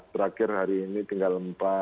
terakhir hari ini tinggal empat